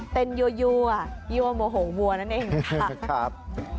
เป็นยั่วยั่วโมโหวัวนั่นเองค่ะ